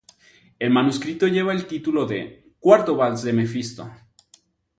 El manuscrito lleva el título de "Cuarto Vals de Mefisto".